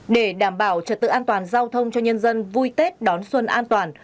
để đảm bảo trật tự an toàn giao thông cho nhân dân vui tết đón xuân an toàn